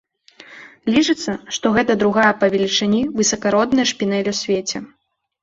Лічыцца, што гэта другая па велічыні высакародная шпінэль у свеце.